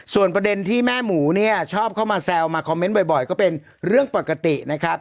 ส่วนประเด็นที่แม่หมูเนี่ยชอบเข้ามาแซวมาคอมเมนต์บ่อยก็เป็นเรื่องปกตินะครับ